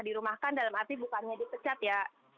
dirumahkan dalam arti bukannya dipecat ya